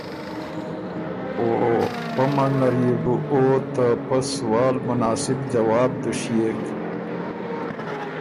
او پۀ منځ نر يې بو او ته پۀ سوال مناسب ځواب دُشيېک۔